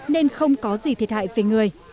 nên không có gì thiệt hại về người